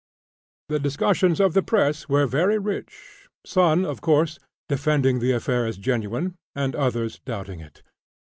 The discussions of the press were very rich; the "Sun," of course, defending the affair as genuine, and others doubting it.